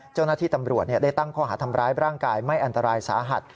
เจ้าหน้าที่ตำรวจได้ตั้งข้อหาทำร้ายร่างกายไม่อันตรายสาหัส